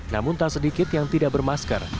namun tak sedikit yang tidak bermasker